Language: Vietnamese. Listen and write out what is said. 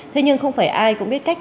thế nhưng không phải ai cũng biết cách